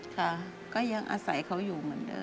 ค่ะก็ยังอาศัยเขาอยู่เหมือนเดิม